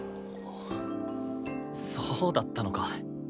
そうだったのか。